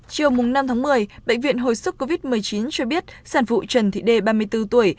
chiều năm tháng một mươi bệnh viện hồi sức covid một mươi chín cho biết sản phụ trần thị đê ba mươi bốn tuổi